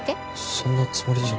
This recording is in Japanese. そんなつもりじゃ。